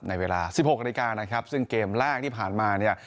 ในเวลาสิบหกนาฬิกานะครับซึ่งเกมแรกที่ผ่านมาเนี่ย